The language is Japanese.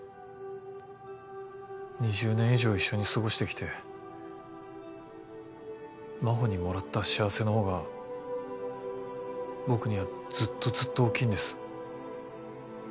２０年以上一緒に過ごして来て真帆にもらった幸せのほうが僕にはずっとずっと大きいんです。